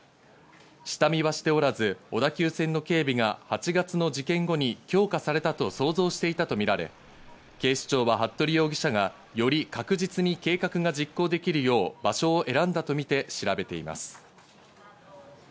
下見はしておらず、小田急線の警備が８月の事件後に強化されたと想像していたとみられ、警視庁は服部容疑者がより確実に計画が実行できるよう場所を選んだとみて調べています。